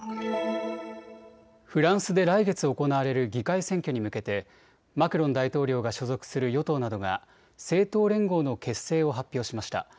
フランスで来月行われる議会選挙に向けてマクロン大統領が所属する与党などが政党連合の結成を発表しました。